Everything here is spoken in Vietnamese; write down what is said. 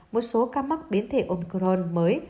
một số ca mắc biến thể omicron mới